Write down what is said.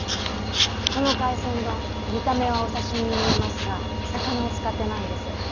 この海鮮丼見た目はお刺し身に見えますが魚を使ってないんです。